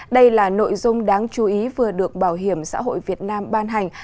đây là nội dung đáng chú ý vừa được bảo hiểm xã hội việt nam ban hành